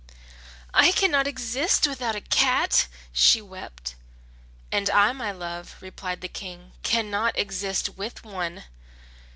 "I cannot exist without a cat!" she wept. "And I, my love," replied the King, "cannot exist with one!"